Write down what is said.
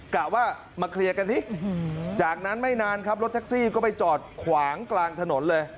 กะว่ามาเคลียร์กันสิจากนั้นไม่นานครับรถแท็กซี่ก็ไปจอดขวางกลางถนนเลย